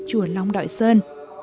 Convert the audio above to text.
chùa long đoại sơn